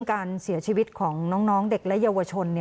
การเสียชีวิตของน้องเด็กและเยาวชน